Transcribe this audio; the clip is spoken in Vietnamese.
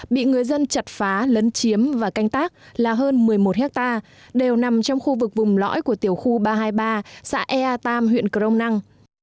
bị người dân chặt phá lấn chiếm và canh tác là hơn một mươi một hectare đều nằm trong khu vực vùng lõi của tiểu khu ba trăm hai mươi ba xã ea tam huyện crong năng